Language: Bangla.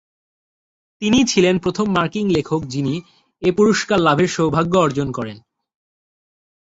তিনিই ছিলেন প্রথম মার্কিন লেখক যিনি এ পুরস্কারের লাভের সৌভাগ্য অর্জন করেন।